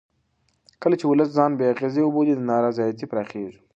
کله چې ولس ځان بې اغېزې وبولي نا رضایتي پراخېږي